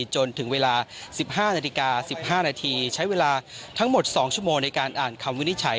จนถึงเวลา๑๕นาฬิกา๑๕นาทีใช้เวลาทั้งหมด๒ชั่วโมงในการอ่านคำวินิจฉัย